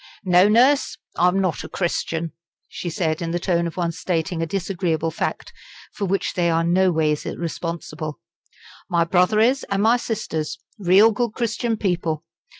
"No, Nurse, I'm not a Christian," she said in the tone of one stating a disagreeable fact for which they are noways responsible. "My brother is and my sisters real good Christian people.